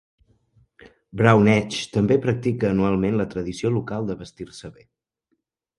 Brown Edge també practica anualment la tradició local de vestir-se bé.